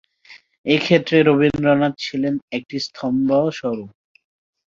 এ ক্ষেত্রে রবীন্দ্রনাথ ছিলেন একটি স্তম্ভস্বরূপ।